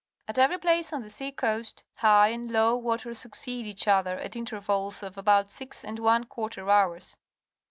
At every place on the sea coast, high and low water succeed each other at intervals of about six and one quarter hours.